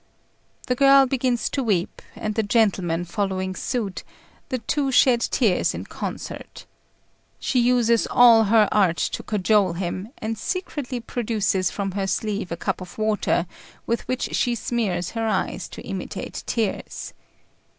The girl begins to weep, and the gentleman following suit, the two shed tears in concert. She uses all her art to cajole him, and secretly produces from her sleeve a cup of water, with which she smears her eyes to imitate tears.